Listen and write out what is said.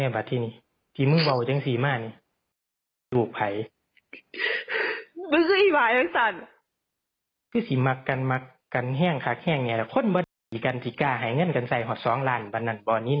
ฝ่ายหรือเปล่า